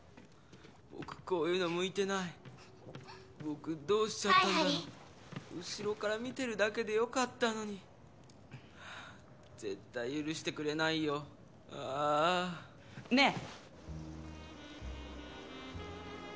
僕こういうの向いてない僕どうしちゃったんだろうハーイハリー後ろから見てるだけでよかったのに絶対許してくれないよああねえ！